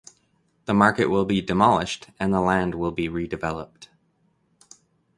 The market will be demolished and the land will be redeveloped.